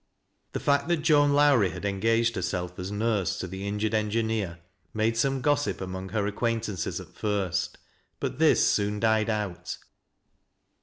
The fact that Joan Lowrie had engaged herself as niirae (X) the injured engineer made some gossip among he/ acquaintances at first, but this soon died out.